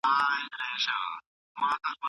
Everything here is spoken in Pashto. د حاملګي ضد دوا د وریښتانو فولیکول اغیزه کوي.